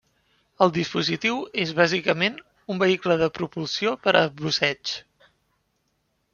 El dispositiu és bàsicament, un vehicle de propulsió per a busseig.